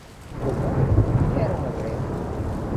Quel nobile era un ebreo.